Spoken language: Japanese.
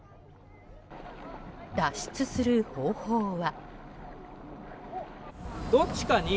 脱出する方法は？